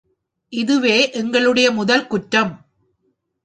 இதுவே எங்களுடைய முதல் குற்றம்.